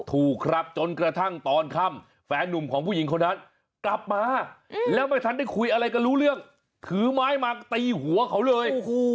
ถูกครับจนกระทั่งตอนค่ำแฟนนุ่มของผู้หญิงคนนั้นกลับมาแล้วไม่ทันได้คุยอะไรก็รู้เรื่องถือไม้มาตีหัวเขาเลย